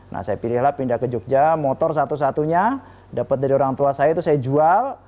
nah saya pilihlah pindah ke jogja motor satu satunya dapat dari orang tua saya itu saya jual